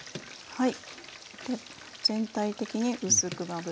はい。